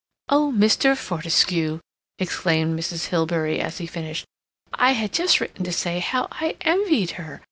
"Oh, Mr. Fortescue," exclaimed Mrs. Hilbery, as he finished, "I had just written to say how I envied her!